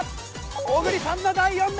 小栗さんの第４打。